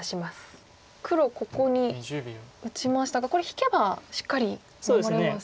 黒ここに打ちましたがこれ引けばしっかり守れますよね。